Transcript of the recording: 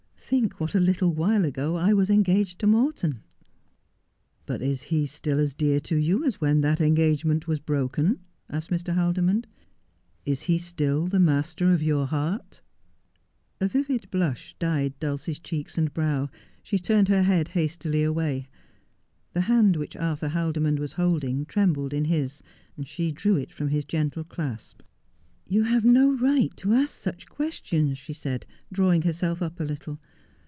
' Think what a little while ago I was engaged to Morton.' ' But is he still as dear to you as when that engagement was broken 1 ' asked Mr. Haldimond. ' Is he still the master of your heart ?' A vivid blush dyed Dulcie's cheeks and brow. She turned her head hastily away. The hand which Arthur Haldimond was holding trembled in his. Sh« drew it from his gentle clasp. Morton's Brilliant Idea. 285 'You have no right to ask such questions,' she said, drawing herself up a little.